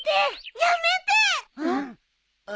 やめて！